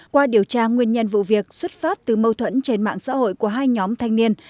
qua điều tra nguyên nhân vụ việc xuất phát từ mâu thuẫn trên mạng xã hội của hai nhóm thanh niên